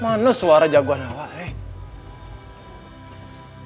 mana suara jagoan awak nih